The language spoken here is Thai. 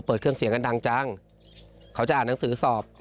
เครื่องเสียงกันดังจังเขาจะอ่านหนังสือสอบ